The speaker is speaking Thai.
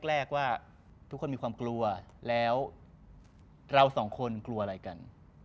แรกว่าทุกคนมีความกลัวแล้วเราสองคนกลัวอะไรกัน